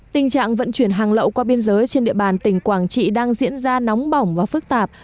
tình trạng vận chuyển hàng lậu qua biên giới trên địa bàn tỉnh quảng trị đang diễn ra nóng bỏng và phức tạp